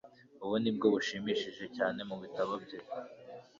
ubu ni bwo bushimishije cyane mu bitabo bye